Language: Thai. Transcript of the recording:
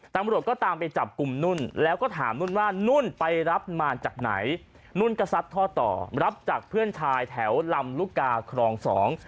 ตำรวจก็ตามไปจับกลุ่มนุ่นแล้วก็ถามนุ่นว่านุ่นไปรับมาจากไหนนุ่นก็ซัดท่อต่อรับจากเพื่อนชายแถวลำลูกกาครองสอง